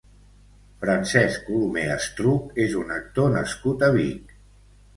Francesc Colomer Estruch és un actor nascut a Vic.